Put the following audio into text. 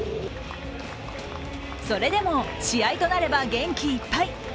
それでも、試合となれば元気いっぱい。